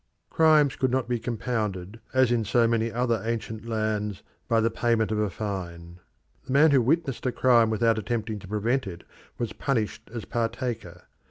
Crimes could not be compounded, as in so many other ancient lands, by the payment of a fine. The man who witnessed a crime without attempting to prevent it was punished as partaker.